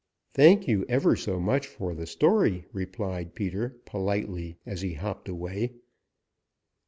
"Thank you ever so much for the story," replied Peter politely as he hopped away.